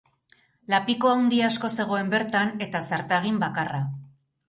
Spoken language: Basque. Lapiko handi asko zegoen bertan eta zartagin bakarra.